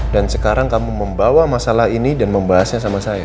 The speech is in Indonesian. dan sekarang kamu membawa masalah ini dan membahasnya sama saya